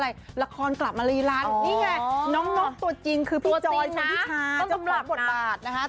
ตัวจริงคือพี่จอยชวนที่ช้าต้องสำนวนบทบาท